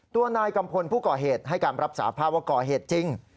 ตัวนายกัมพลผู้ก่อเหตุให้การรับสาภาพว่าก่อเหตุจริง